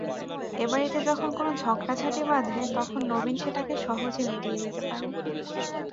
এ বাড়িতে যখন কোনো ঝগড়াঝাঁটি বাধে তখন নবীন সেটাকে সহজে মিটিয়ে দিতে পারে।